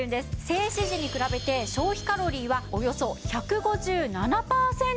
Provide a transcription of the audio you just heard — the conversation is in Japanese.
静止時に比べて消費カロリーはおよそ１５７パーセントにアップ。